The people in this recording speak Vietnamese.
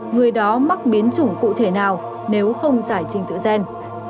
người đó mắc biến chủng cụ thể nào nếu không giải trình tự gen